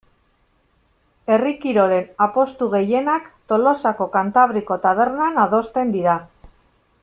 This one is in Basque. Herri kirolen apustu gehienak Tolosako Kantabriko tabernan adosten dira.